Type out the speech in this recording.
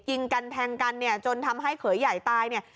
ยิงกันแทงกันเนี่ยจนทำให้เขยใหญ่ตายเนี่ย